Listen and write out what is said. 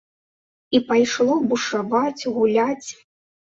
І пайшло бушаваць, гуляць.